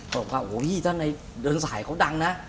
บอกว่าโอ้โหพี่ถ้าในเดินสายเขาดังนะ